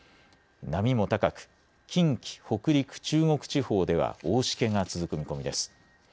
波も高く近畿、北陸、中国地方では大しけが続く見込みです。